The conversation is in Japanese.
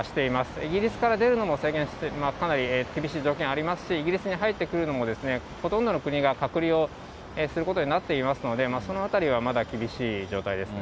イギリスから出るのも制限して、かなり厳しい条件ありますし、イギリスに入ってくるのもほとんどの国が隔離をすることになっていますので、そのあたりはまだ厳しい状態ですね。